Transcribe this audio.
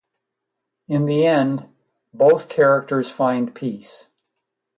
In the end both characters find peace.